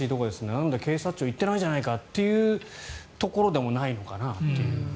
なんだ警察庁行ってないじゃないかというところでもないのかなという。